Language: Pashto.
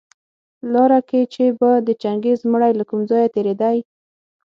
لاره کي چي به د چنګېز مړى له کوم ځايه تېرېدى